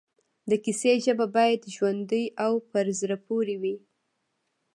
د کیسې ژبه باید ژوندۍ او پر زړه پورې وي